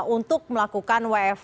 untuk melakukan wfh